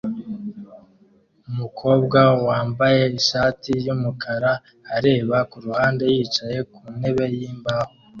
Umukobwa wambaye ishati yumukara areba kuruhande yicaye ku ntebe yimbaho